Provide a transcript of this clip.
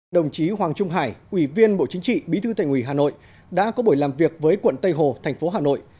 đồng chí hoàng trung hải ủy viên bộ chính trị bí thư thành ủy hà nội đã có buổi làm việc với quận tây hồ thành phố hà nội